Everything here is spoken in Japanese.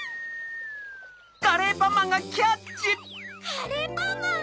カレーパンマン！